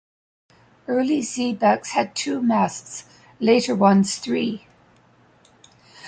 Early xebecs had two masts; later ones three.